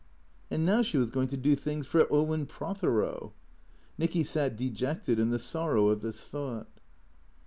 And now she was going to do things for Owen Prothero. Nicky sat dejected in the sorrow of this thought.